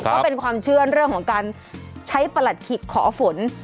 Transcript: ก็เป็นความเชื่อเรื่องของการใช้ประหลัดขิกขอฝน